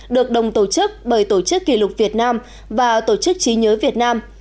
được đồng tổ chức bởi tổ chức kỷ lục việt nam và tổ chức trí nhớ việt nam